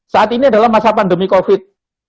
saat ini adalah masa pandemi covid